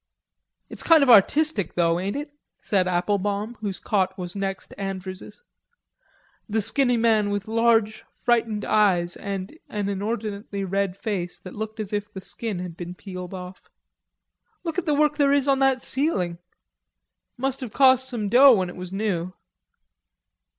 "It's kind of artistic, though, ain't it?" said Applebaum, whose cot was next Andrews's, a skinny man with large, frightened eyes and an inordinately red face that looked as if the skin had been peeled off. "Look at the work there is on that ceiling. Must have cost some dough when it was noo."